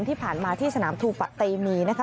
ที่ผ่านมาที่สนามทูปะเตมีนะคะ